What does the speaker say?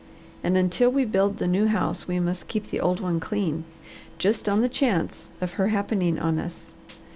And until we build the new house we must keep the old one clean, just on the chance of her happening on us.